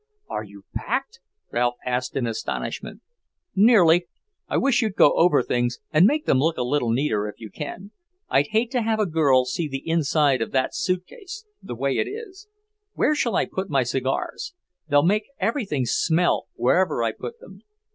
"Are you packed?" Ralph asked in astonishment. "Nearly. I wish you'd go over things and make them look a little neater, if you can. I'd hate to have a girl see the inside of that suitcase, the way it is. Where shall I put my cigars? They'll make everything smell, wherever I put them.